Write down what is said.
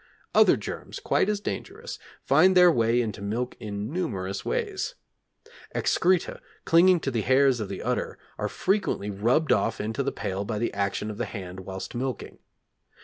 Other germs, quite as dangerous, find their way into milk in numerous ways. Excreta, clinging to the hairs of the udder, are frequently rubbed off into the pail by the action of the hand whilst milking.